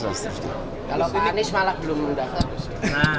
kalau pak anies malah belum mendaftar